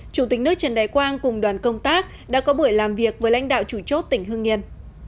chủ tịch nước trần đại quang cùng đoàn công tác đã có buổi làm việc với lãnh đạo chủ chốt tỉnh hương yên